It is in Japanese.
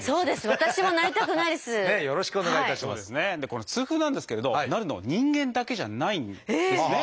この痛風なんですけれどなるのは人間だけじゃないんですね。